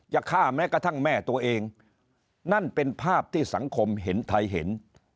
จะฆ่าแม้กระทั่งแม่ตัวเองนั่นเป็นภาพที่สังคมเห็นไทยเห็น